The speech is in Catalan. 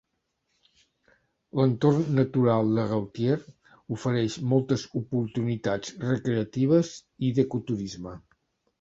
L'entorn natural de Gautier ofereix moltes oportunitats recreatives i d'ecoturisme.